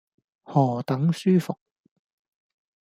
何等舒服。